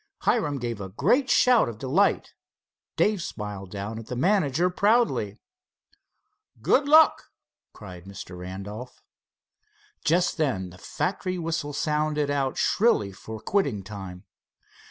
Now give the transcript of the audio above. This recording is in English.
Hiram gave a great shout of delight. Dave smiled down at the manager proudly. "Good luck!" cried Mr. Randolph. Just then the factory whistle sounded out shrilly for quitting time.